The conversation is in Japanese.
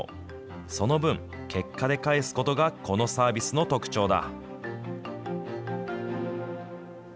その分、結果で返すことがこのサービスの特徴だ。